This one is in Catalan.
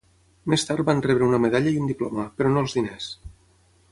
Més tard van rebre una medalla i un diploma, però no els diners.